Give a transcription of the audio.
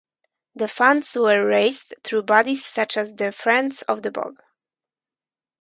The funds were raised through bodies such as the Friends of the Bog.